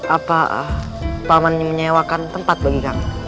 apa paman ini menyewakan tempat bagi kami